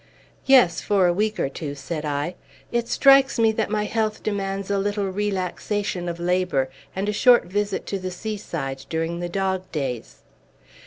"Yes, for a week or two," said I. "It strikes me that my health demands a little relaxation of labor, and a short visit to the seaside, during the dog days."